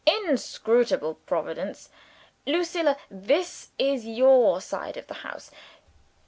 Inscrutable Providence!) Lucilla, this is your side of the house.